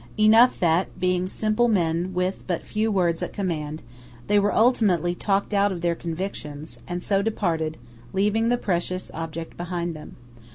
Enough that, being simple men with but few words at command, they were ultimately talked out of their convictions, and so departed–leaving the precious object behind them.